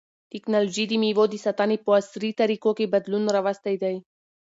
تکنالوژي د مېوو د ساتنې په عصري طریقو کې بدلون راوستی دی.